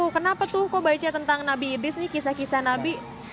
kenapa tuh kok baca tentang nabi idris nih kisah kisah nabi